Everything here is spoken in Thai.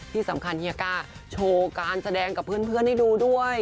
ที่สำคัญเฮียก้าโชว์การแสดงกับเพื่อนให้ดูด้วย